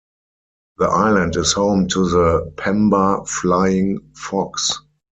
The island is home to the Pemba flying fox.